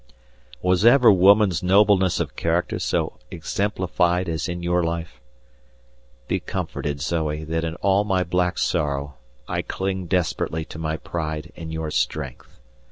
Was ever woman's nobleness of character so exemplified as in your life? Be comforted, Zoe, that in all my black sorrow I cling desperately to my pride in your strength.